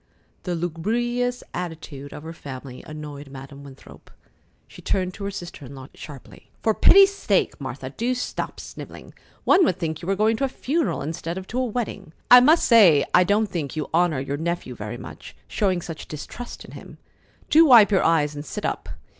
The lugubrious attitude of her family annoyed Madam Winthrop. She turned to her sister in law sharply. "For pity's sake, Martha, do stop snivelling! One would think you were going to a funeral instead of to a wedding. I must say I don't think you honor your nephew very much, showing such distrust in him. Do wipe your eyes and sit up.